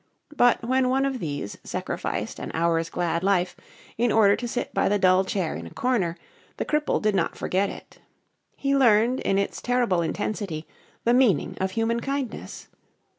But when one of these sacrificed an hour's glad life in order to sit by the dull chair in a corner, the cripple did not forget it. He learned in its terrible intensity the meaning of human kindness.